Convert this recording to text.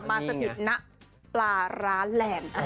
มาสะพิดณปราร้านแหล่น